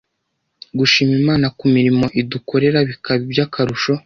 gushima Imana ku mirimo idukorera bikaba iby’akarusho